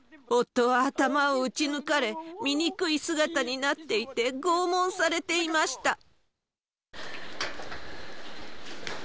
夫は頭を撃ち抜かれ、醜い姿になっていて、拷問されていました。